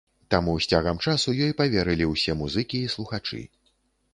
Таму з цягам часу ёй паверылі ўсе музыкі і слухачы.